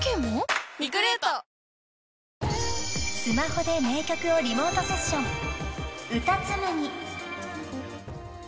［スマホで名曲をリモートセッション］